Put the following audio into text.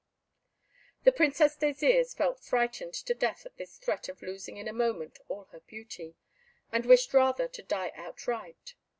The Princess Désirs felt frightened to death at this threat of losing in a moment all her beauty, and wished rather to die outright.